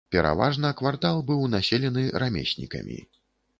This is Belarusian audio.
Пераважна квартал быў населены рамеснікамі.